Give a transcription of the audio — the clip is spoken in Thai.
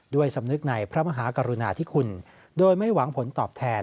สำนึกในพระมหากรุณาธิคุณโดยไม่หวังผลตอบแทน